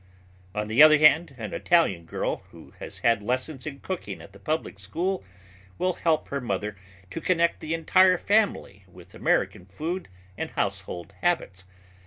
On the other hand, an Italian girl who has had lessons in cooking at the public school will help her mother to connect the entire family with American food and household habits.